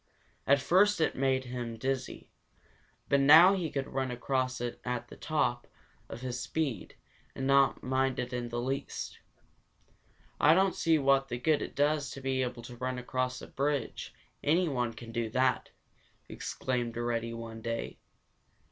At first it had made him dizzy, but now he could run across at the top of his speed and not mind it in the least. "I don't see what good it does to be able to run across a bridge; anyone can do that!" exclaimed Reddy one day.